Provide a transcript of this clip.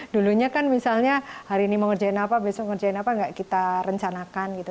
dulunya kan misalnya hari ini mau ngerjain apa besok ngerjain apa enggak kita rencanakan gitu